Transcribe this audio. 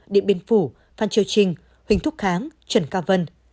điện biên phủ phan triều trinh huỳnh thúc kháng trần cao vân